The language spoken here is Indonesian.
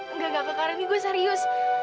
enggak kakak karena ini gue serius